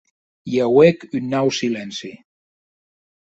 I auec un nau silenci.